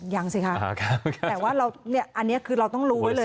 ยังสิคะแต่ว่าอันนี้คือเราต้องรู้ไว้เลย